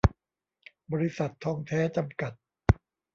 บริษัท ทองแท้ จำกัด